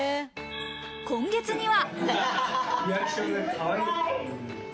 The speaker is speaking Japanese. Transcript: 今月には。